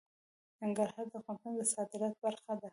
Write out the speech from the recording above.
ننګرهار د افغانستان د صادراتو برخه ده.